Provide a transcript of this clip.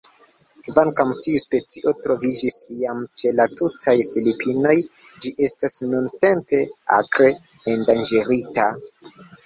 Kvankam tiu specio troviĝis iam ĉe la tutaj Filipinoj, ĝi estas nuntempe akre endanĝerita.